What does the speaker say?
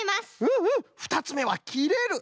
うんうんふたつめは「きれる」！